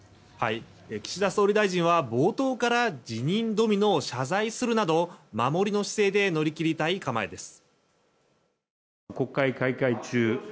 岸田総理大臣は冒頭から辞任ドミノを謝罪するなど守りの姿勢で乗り切りたい構えです。